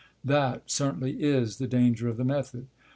That, certainly, is the danger of the method.